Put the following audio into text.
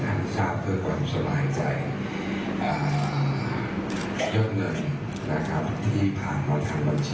สำนวนสยอดเงินเท่านี้ได้สยอดเงินขึ้นจากประมาณ๒ล้านบาท